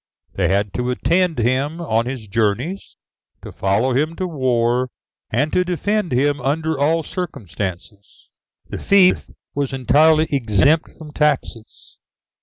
They had to attend him on his journeys, to follow him to war, and to defend him under all circumstances. The fief was entirely exempt from taxes.